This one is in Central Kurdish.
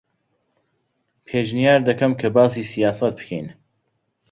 پێشنیار دەکەم کە باسی سیاسەت بکەین.